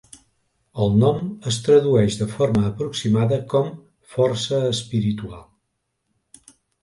El nom es tradueix de forma aproximada com "força espiritual".